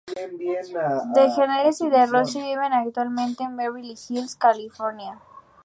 DeGeneres y de Rossi viven actualmente en Beverly Hills, California.